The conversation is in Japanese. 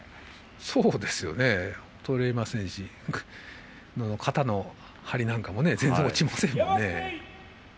そうですね、衰えませんし肩の張りなんかも全然落ちませんね。